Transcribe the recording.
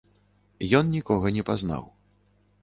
Ён нікога не пазнаў.